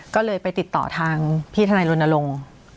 ก็เลยไปติดต่อทางพี่ทนายรณรงค์